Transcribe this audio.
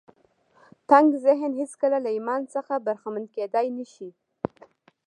تنګ ذهن هېڅکله له ایمان څخه برخمن کېدای نه شي